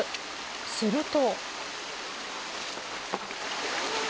すると。